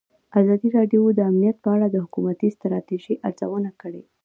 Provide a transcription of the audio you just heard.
ازادي راډیو د امنیت په اړه د حکومتي ستراتیژۍ ارزونه کړې.